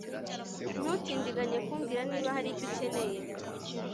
ntutindiganye kumbwira niba hari icyo ukeneye